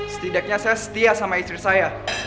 setidaknya saya setia sama istri saya